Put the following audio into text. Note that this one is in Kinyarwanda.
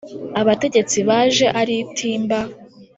Abategetsi baje ari itimba,